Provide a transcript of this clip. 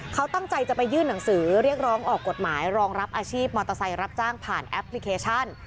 เขาตั้งใจจะไปยื่นหนังสือเรียกร้องออกกฎหมายรองรับอาชีพมอเตอร์ไซค์รับจ้างผ่านแอปพลิเคชัน